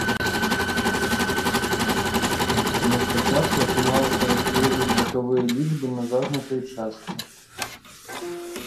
Таму спачатку атрымалася разгледзець бакавыя лічбы на загнутай частцы.